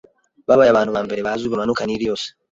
babaye abantu ba mbere bazwi bamanuka Nil yose